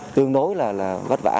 tương đối vất vả